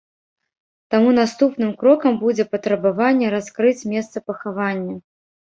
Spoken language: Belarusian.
Таму наступным крокам будзе патрабаванне раскрыць месца пахавання.